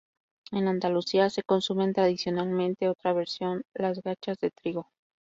En Andalucía se consumen tradicionalmente otra versión, las gachas de trigo.